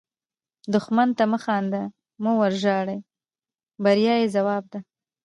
دښمن ته مه خاندئ، مه وژاړئ – بریا یې ځواب ده